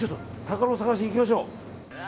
魚を探しに行きましょう。